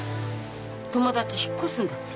友達引っ越すんだって。